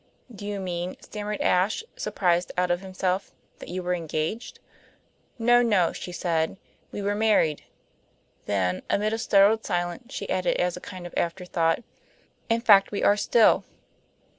"Do you mean," stammered Ashe, surprised out of himself, "that you were engaged?" "No, no," she said. "We were married." Then, amid a startled silence, she added, as a kind of afterthought: "In fact, we are still."